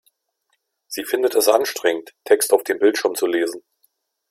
Sie findet es anstrengend, Text auf dem Bildschirm zu lesen.